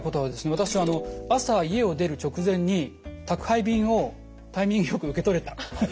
私朝家を出る直前に宅配便をタイミングよく受け取れた。